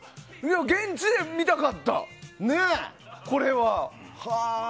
現地で見たかった、これは。